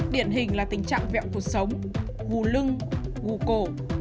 điển hình là tình trạng vẹo cuộc sống gù lưng gù cổ